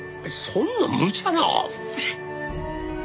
そんなむちゃな。